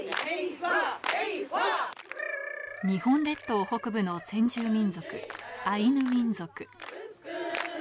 日本列島北部の先住民族、アイヌ民族。